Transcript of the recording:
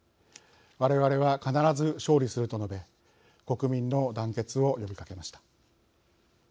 我々は必ず勝利すると述べ国民の団結を呼びかけました。